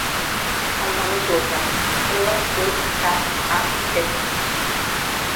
El nom és Lukas: ela, u, ca, a, essa.